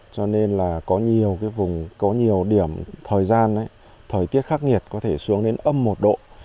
có nhiều cái vùng có nhiều điểm thời gian ấy thời tiết khắc nghiệt có thể xuống đến âm một độ